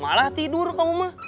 malah tidur kamu mah